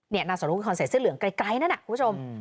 นางเสานกคือคนใส่เสื้อเหลืองไกลนะครับคุณผู้ชม